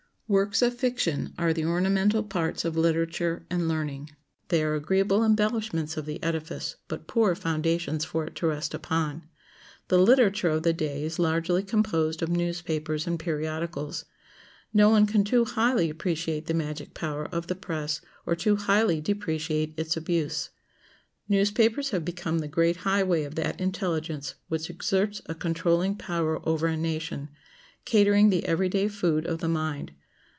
Works of fiction are the ornamental parts of literature and learning. They are agreeable embellishments of the edifice, but poor foundations for it to rest upon. The literature of the day is largely composed of newspapers and periodicals. No one can too highly appreciate the magic power of the press or too highly depreciate its abuse. Newspapers have become the great highway of that intelligence which exerts a controlling power over a nation, catering the every day food of the mind.